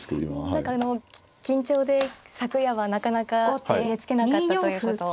何かあの緊張で昨夜はなかなか寝つけなかったということを。